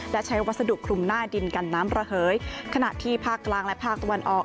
และใช้วัสดุคลุมหน้าดินกันน้ำระเหยขณะที่ภาคกลางและภาคตะวันออก